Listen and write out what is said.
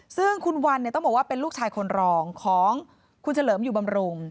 ซึ่งคุณวันต้องบอกว่าเป็นลูกชายคนรองของคุณเฉลิมอยู่บำรุง